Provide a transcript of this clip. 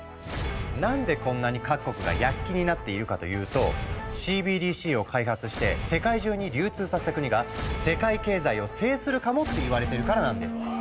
何でこんなに各国が躍起になっているかというとＣＢＤＣを開発して世界中に流通させた国が世界経済を制するかもっていわれてるからなんです。